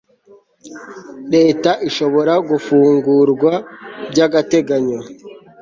leta ishobora gufungurwa by agateganyo